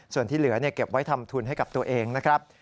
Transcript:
ส่วนที่เหลือเก็บไว้ทำทุนให้กับตัวเองนะครับ